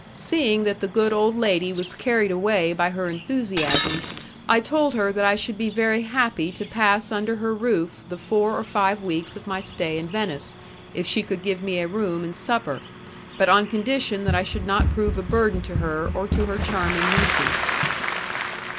Seeing that the good old lady was carried away by her enthusiasm, I told her that I should be very happy to pass under her roof the four or five weeks of my stay in Venice, if she could give me a room and supper, but on condition that I should not prove a burden to her or to her charming nieces.